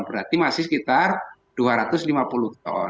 berarti masih sekitar dua ratus lima puluh ton